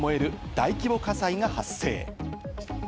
大規模火災が発生。